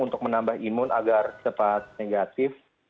untuk menambah imun agar cepat negatif